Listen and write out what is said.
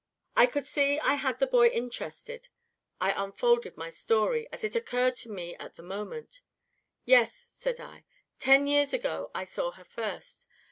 "I could see I had the boy interested. I unfolded my story, as it occurred to me at the moment. 'Yes,' said I, 'ten years ago I saw her first.